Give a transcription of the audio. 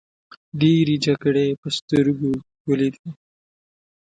ډیرې جګړې په سترګو ولیدې.